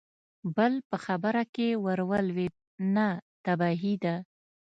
بل په خبره کې ور ولوېد: نه، تباهي ده!